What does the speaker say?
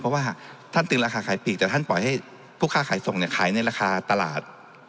เพราะว่าท่านตึงราคาขายปีกแต่ท่านปล่อยให้ผู้ค้าขายส่งเนี่ยขายในราคาตลาด